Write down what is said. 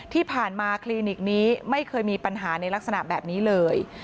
ที่ผ่านมาคลินิกนี้ไม่เคยมีปัญหาในลักษณะแบบนี้เลย